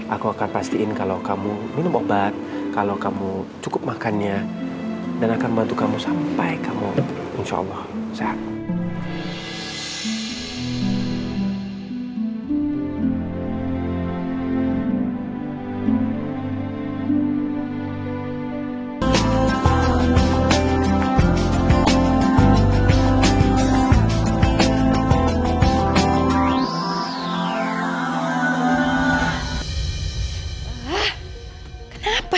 aku akan pastikan kalau kamu minum obat kalau kamu cukup makannya dan akan membantu kamu sampai kamu insya allah sehat